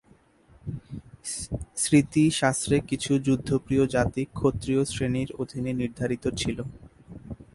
স্মৃতি শাস্ত্রে, কিছু যুদ্ধপ্রিয় জাতি ক্ষত্রিয় শ্রেণীর অধীনে নির্ধারিত ছিল।